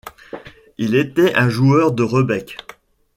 Il était un joueur de rebec.